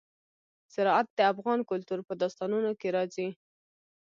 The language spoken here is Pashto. زراعت د افغان کلتور په داستانونو کې راځي.